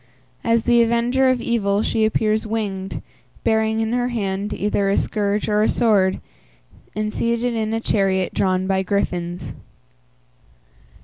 As the avenger of evil she appears winged, bearing in her hand either a scourge or a sword, and seated in a chariot drawn by griffins.